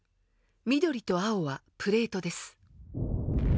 緑と青はプレートです。